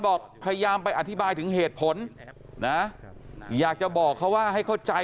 บอกพยายามไปอธิบายถึงเหตุผลนะอยากจะบอกเขาว่าให้เข้าใจ